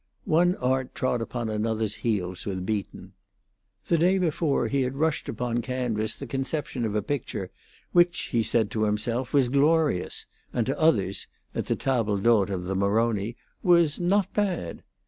One art trod upon another's heels with Beaton. The day before he had rushed upon canvas the conception of a picture which he said to himself was glorious, and to others (at the table d'hote of Maroni) was not bad.